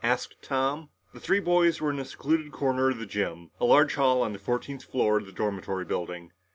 asked Tom. The three boys were in a secluded corner of the gym, a large hall on the fourteenth floor of the dormitory building.